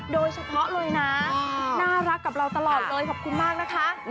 โดยเฉพาะเลยนะน่ารักกับเราตลอดเลยขอบคุณมากนะคะ